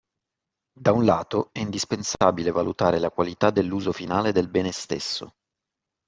Da un lato è indispensabile valutare la qualità dell’uso finale del bene stesso